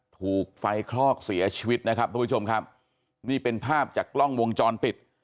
ถูกไฟคลอกเสียชีวิตนะครับทุกผู้ชมครับนี่เป็นภาพจากกล้องวงจรปิด